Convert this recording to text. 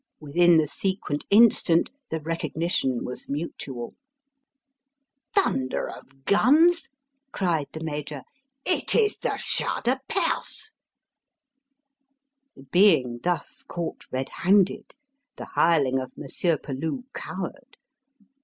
Within the sequent instant the recognition was mutual. "Thunder of guns!" cried the Major. "It is the Shah de Perse!" Being thus caught red handed, the hireling of Monsieur Peloux cowered.